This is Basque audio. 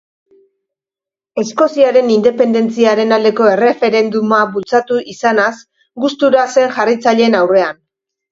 Eskoziaren independentziaren aldeko erreferenduma bultzatu izanaz gustura zen jarraitzaileen aurrean.